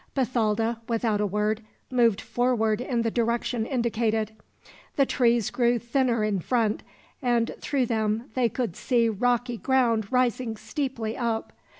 Bathalda, without a word, moved forward in the direction indicated. The trees grew thinner in front, and through them they could see rocky ground rising steeply up.